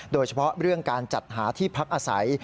โดยเฉพาะเรื่องการจัดหาที่พักอาศัย